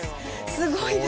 すごいな。